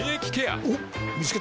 おっ見つけた。